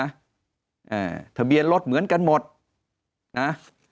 อ่าทะเบียนรถเหมือนกันหมดนะ